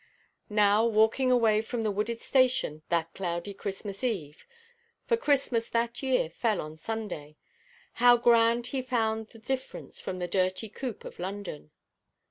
Now walking away from the wooded station that cloudy Christmas Eve—for Christmas that year fell on Sunday—how grand he found the difference from the dirty coop of London.